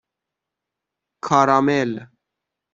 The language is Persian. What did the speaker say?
کارامل